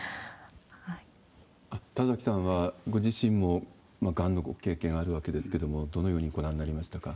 田崎さんは、ご自身もがんのご経験あるわけですけれども、どのようにご覧になりましたか？